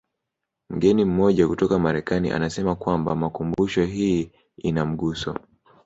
Mgeni mmoja kutoka Marekani anasema kwamba makumbusho hii ina mguso